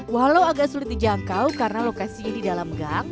walau agak sulit dijangkau karena lokasinya di dalam gang